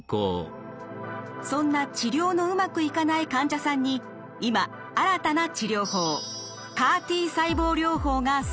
そんな治療のうまくいかない患者さんに今新たな治療法ＣＡＲ−Ｔ細胞療法が成果を上げています。